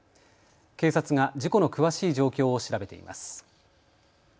警察が事故の詳しい状況を調べています。